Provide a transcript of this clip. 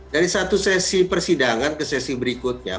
dari satu sesi persidangan ke sesi berikutnya